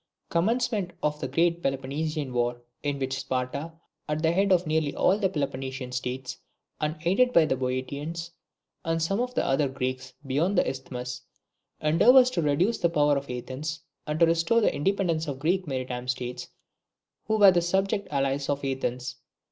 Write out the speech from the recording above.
Commencement of the great Peloponnesian war, in which Sparta, at the head of nearly all the Peloponnesian states, and aided by the Boeotians and some of the other Greeks beyond the Isthmus, endeavours to reduce the power of Athens, and to restore independence to the Greek maritime states who were the subject allies of Athens.